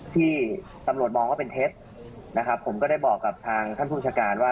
ที่ตำรวจมองว่าเป็นเท็จนะครับผมก็ได้บอกกับทางท่านผู้ประชาการว่า